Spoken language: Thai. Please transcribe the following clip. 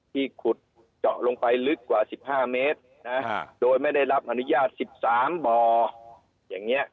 ขุดเจาะลงไปลึกกว่า๑๕เมตรนะโดยไม่ได้รับอนุญาต๑๓บ่ออย่างนี้